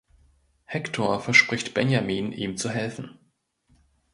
Hector verspricht Benjamin, ihm zu helfen.